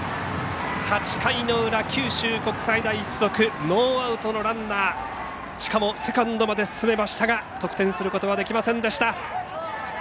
８回裏、九州国際大付属ノーアウトのランナーしかもセカンドまで進めましたが得点することはできませんでした。